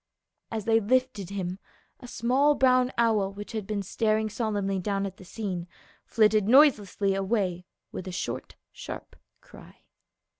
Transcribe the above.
As they lifted him, a small brown owl which had been staring solemnly down at the scene flitted noise lessly away with a short sharp cry.